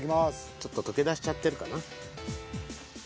ちょっと溶け出しちゃってるかな。